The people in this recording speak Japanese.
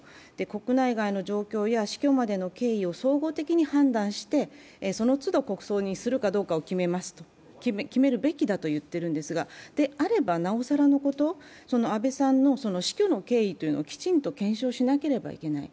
国内外の状況や死去までの経緯を総合的に判断してその都度、国葬にするかどうかを決めるべきだと言ってるんですがであればなおさらのこと、安倍さんの死去の経緯をきちんと検証しなければいけない。